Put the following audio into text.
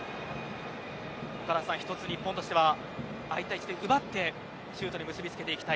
岡田さん一つ日本としてはああいう形で奪ってシュートに結びつけていきたい。